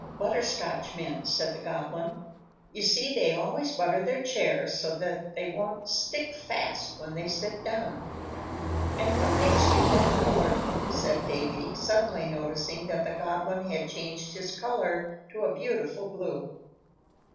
"Butterscotchmen," said the Goblin. "You see, they always butter their chairs so that they won't stick fast when they sit down." "And what makes you that color?" said Davy, suddenly noticing that the Goblin had changed his color to a beautiful blue.